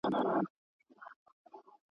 خلکو آباد کړل خپل وطنونه `